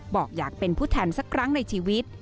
บอกอยากเป็นผู้แทนสักครั้งในชีวิต